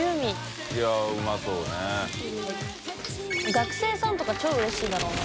学生さんとか超うれしいだろうな。